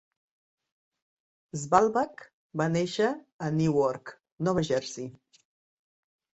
Schwalbach va néixer a Newark, Nova Jersey.